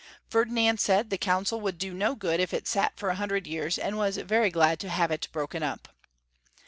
Ferdi nand said the Council Avould do no good if it sat for a hundred years, and was very glad to have it broken up.